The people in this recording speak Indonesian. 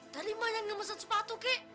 tadi banyak yang mesen sepatu kik